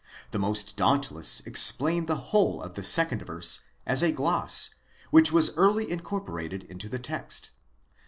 The most dauntless. explain the whole of the second verse as a gloss, which was early incorporated into the text.